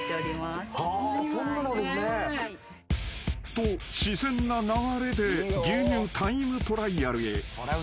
［と自然な流れで牛乳タイムトライアルへ］